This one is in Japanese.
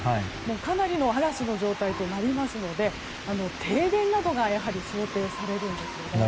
かなりの嵐の状態となりますので停電などが想定されるんですね。